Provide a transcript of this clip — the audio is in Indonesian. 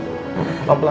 koki lurusin ya